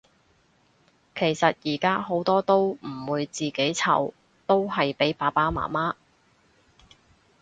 其實依家好多都唔會自己湊，都係俾爸爸媽媽